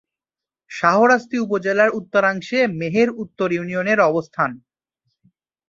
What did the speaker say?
শাহরাস্তি উপজেলার উত্তরাংশে মেহের উত্তর ইউনিয়নের অবস্থান।